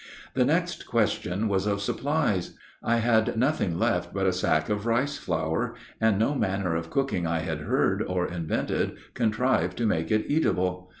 The next question was of supplies. I had nothing left but a sack of rice flour, and no manner of cooking I had heard or invented contrived to make it eatable.